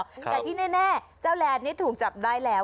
แต่ที่แน่เจ้าแลนด์นี้ถูกจับได้แล้ว